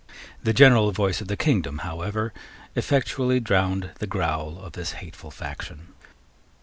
The general voice of the kingdom, however, effectually drowned the growl of this hateful faction.